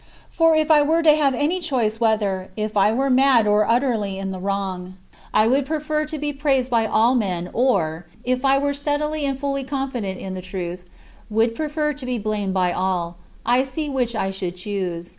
For if I were to have any choice whether, if I were mad or utterly in the wrong, I would prefer to be praised by all men or, if I were steadily and fully confident in the truth, would prefer to be blamed by all, I see which I should choose.